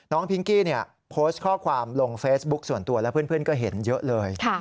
พิงกี้โพสต์ข้อความลงเฟซบุ๊คส่วนตัวและเพื่อนก็เห็นเยอะเลย